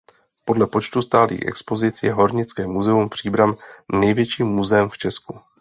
Podle počtu stálých expozic je Hornické muzeum Příbram největším muzeem v Česku.